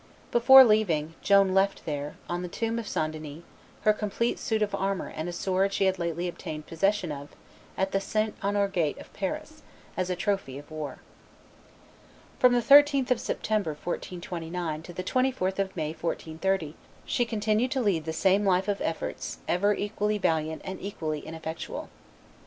Before leaving, Joan left there, on the tomb of St. Denis, her complete suit of armor and a sword she had lately obtained possession of at the St. Honore gate of Paris, as trophy of war. From the 13th of September, 1429, to the 24th of May, 1430, she continued to lead the same life of efforts ever equally valiant and equally ineffectual.